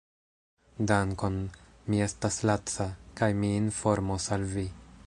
Dankon, mi estas laca, kaj mi informos al vi